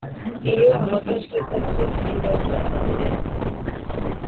iyo ahagaze gato, yibaza aho yari ageze.